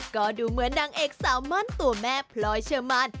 ก็ดูเหมือนนางเอกสาวม่อนตัวแม่พลอยเชอร์มัน